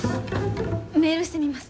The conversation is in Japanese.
メールしてみます！